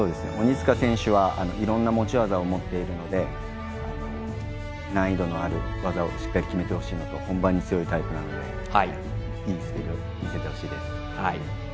鬼塚選手はいろんな持ち技を持っているので難易度のある技をしっかり決めてほしいのと本番に強いタイプなのでいい滑りを見せてほしいです。